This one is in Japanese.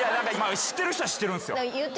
知ってる人は知ってるんすよ。